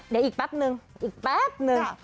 เดี๋ยวอีกแป๊บนึงอีกแป๊บนึง